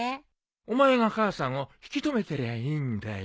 お前が母さんを引き留めてりゃいいんだよ。